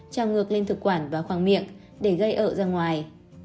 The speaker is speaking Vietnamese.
trao ngược lên thực quản và khoang miệng để gây ậ ra ngoài